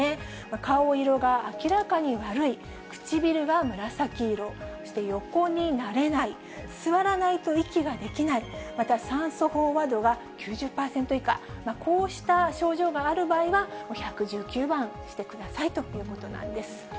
顔色が明らかに悪い、唇が紫色、そして横になれない、座らないと息ができない、また酸素飽和度が９０％以下、こうした症状がある場合は、１１９番してくださいということなんです。